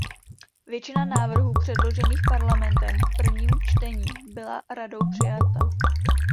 Většina návrhů předložených Parlamentem v prvním čtení byla Radou přijata.